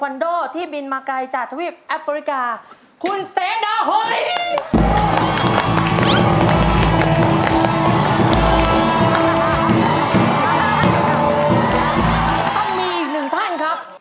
อันนี้ได้เหรียญอะไรครับ